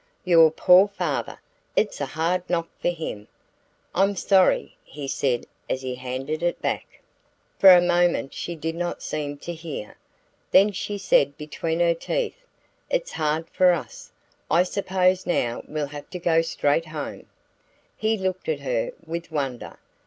"Your poor father! It's a hard knock for him. I'm sorry," he said as he handed it back. For a moment she did not seem to hear; then she said between her teeth: "It's hard for US. I suppose now we'll have to go straight home." He looked at her with wonder.